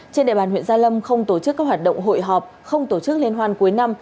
trên địa bàn huyện gia lâm không tổ chức các hoạt động hội họp không tổ chức liên hoan cuối năm